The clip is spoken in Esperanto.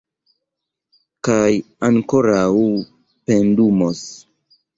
Kaj ankoraŭ pendumos.